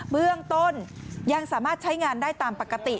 เบื้องต้นยังสามารถใช้งานได้ตามปกติ